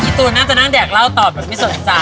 อีตูนน่าจะนั่งแดกเล่าต่อไม่สนใจ